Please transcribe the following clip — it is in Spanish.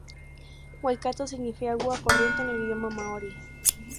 Waikato significa ‘Agua Corriente’ en el idioma maorí.